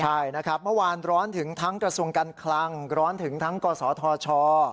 ใช่นะครับเมื่อวานร้อนถึงทั้งกระทรวงการคลังร้อนถึงทั้งกศธช